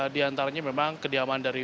di antaranya memang kediaman dari